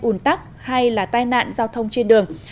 ủn tắc hay là tai nạn giao thông trên đường